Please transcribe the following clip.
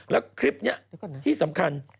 แล้วคลิปนี้ที่สำคัญ